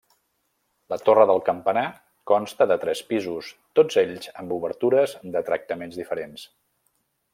La torre del campanar consta de tres pisos, tots ells amb obertures de tractaments diferents.